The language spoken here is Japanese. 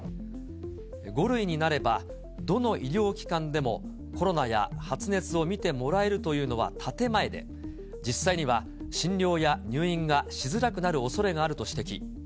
５類になればどの医療機関でもコロナや発熱を診てもらえるというのは建て前で、実際には診療や入院がしづらくなるおそれがあると指摘。